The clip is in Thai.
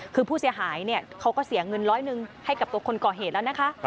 คือผู้เสียหายเขาก็เสียเงิน๑๐๐บาทให้กับคนก่อเหตุแล้วนะคะ